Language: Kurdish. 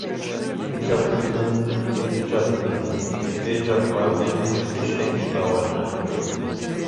Biceribînin, biceribînin, bê ceribandin ji tiştekî bawer nekin.